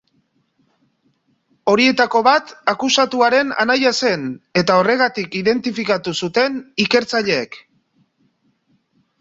Horietako bat akusatuaren anaia zen eta horregatik identifikatu zuten ikertzaileek.